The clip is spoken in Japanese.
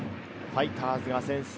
ファイターズが先制。